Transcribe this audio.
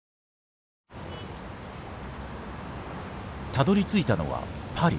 たどりついたのはパリ。